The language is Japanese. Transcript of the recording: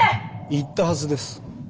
言ったはずです。